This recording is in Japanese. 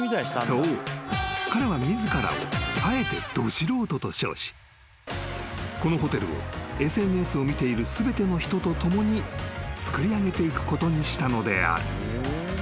彼は自らをあえてど素人と称しこのホテルをＳＮＳを見ている全ての人と共につくりあげていくことにしたのである］